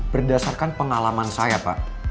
berdasarkan pengalaman saya pak